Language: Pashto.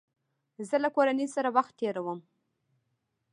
زه له کورنۍ سره وخت تېرووم.